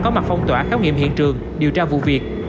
có mặt phong tỏa khám nghiệm hiện trường điều tra vụ việc